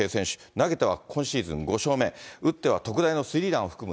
投げては今シーズン５勝目、打っては特大のスリーランを含む